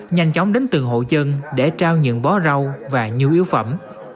nhanh chóng đến từng hộ dân để trao những bó rau và nhu yếu phẩm